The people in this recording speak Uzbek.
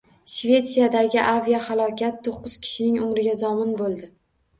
Shvetsiyadagi aviahalokatto'qqizkishining umriga zomin bo‘ldi